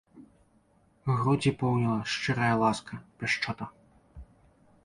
Грудзі поўніла шчырая ласка, пяшчота.